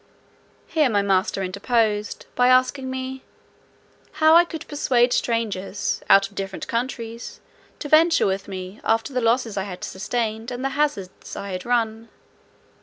Here my master interposed, by asking me, "how I could persuade strangers, out of different countries, to venture with me, after the losses I had sustained, and the hazards I had run?"